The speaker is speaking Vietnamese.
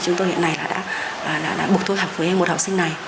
chúng tôi hiện nay đã bục tôi học với một học sinh này